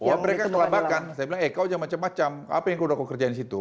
oh mereka ke labakan saya bilang eh kau aja macam macam apa yang kau kerjain disitu